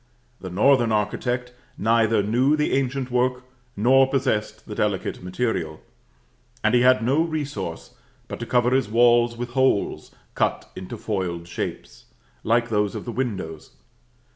The northern architect neither knew the ancient work, nor possessed the delicate material; and he had no resource but to cover his walls with holes, cut into foiled shapes like those of the windows.